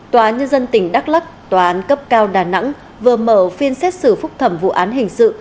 tòa nhân dân tỉnh đắk lắc tòa án cấp cao đà nẵng vừa mở phiên xét xử phúc thẩm vụ án hình sự